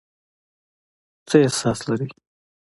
څه احساس لرئ ؟